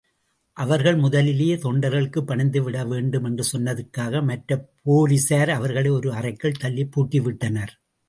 அவர்கள் முதலிலேயே தொண்டர்களுக்குப் பணிந்து விடவேண்டும் என்று சொன்னதற்காக மற்றப் போலிஸார் அவர்களை ஒரு அறைக்குள் தள்ளிப்பூட்டிவிட்டனர்.